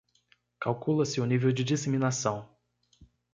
Calcula-se o nível de disseminação